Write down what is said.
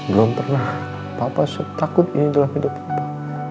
belum pernah bapak takut ini dalam hidupmu